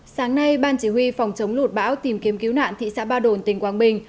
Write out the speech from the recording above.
sáng nay ban chỉ huy phòng chống lụt bão tìm kiếm cứu nạn thị xã ba đồn tỉnh quảng bình